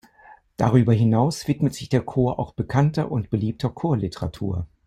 Darüber hinaus widmet sich der Chor auch bekannter und beliebter Chorliteratur.